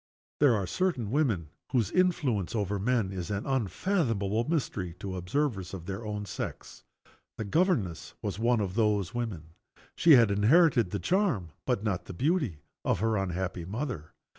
There are certain women whose influence over men is an unfathomable mystery to observers of their own sex. The governess was one of those women. She had inherited the charm, but not the beauty, of her unhappy mother.